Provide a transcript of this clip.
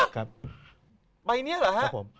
ฮะใบนี้เหรอ